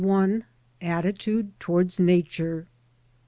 ATTITUDE TOWARDS NATURE.